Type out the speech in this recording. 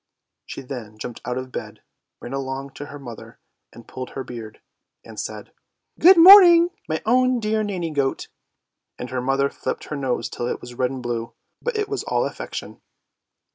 Then she jumped out of bed, ran along to her mother and pulled her beard, and said, " Good morning, my own dear nanny goat! " And her mother filliped her nose till it was red and blue; but it was all affection.